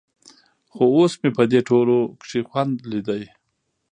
خو اوس مې په دې ټولو کښې خوند ليده.